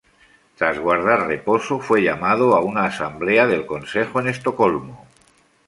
Tras guardar reposo, fue llamado a una asamblea del consejo en Estocolmo.